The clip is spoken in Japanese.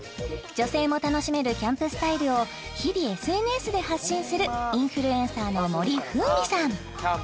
女性も楽しめるキャンプスタイルを日々ＳＮＳで発信するインフルエンサーの森風美さん